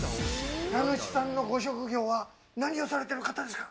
家主さんのご職業は何をされてる方ですか？